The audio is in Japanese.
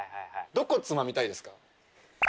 どこつまみたいですか？